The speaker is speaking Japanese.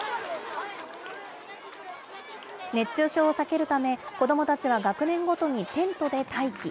熱中症を避けるため、子どもたちは学年ごとにテントで待機。